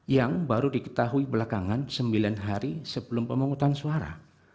yang baru diketahui belakangan sembilan hari sebelum pemungutan suara